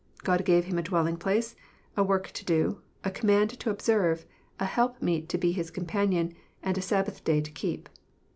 God gave him a dwelling place, a work to do, a command to observe, a help meet to be his companion, and a Sabbath Day to keep.